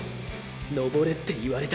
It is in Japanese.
登れって言われた。